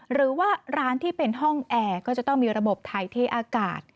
หรือว่าร้านที่เป็นห้องแอร์ก็จะต้องมีระบบถ่ายเทอากาศ